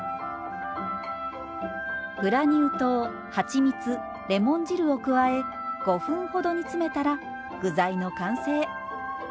グラニュー糖はちみつレモン汁を加え５分ほど煮詰めたら具材の完成。